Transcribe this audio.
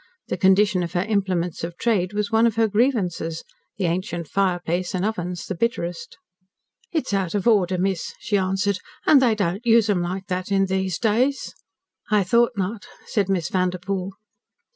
The condition of her implements of trade was one of her grievances the ancient fireplace and ovens the bitterest. "It's out of order, miss," she answered. "And they don't use 'em like this in these days." "I thought not," said Miss Vanderpoel.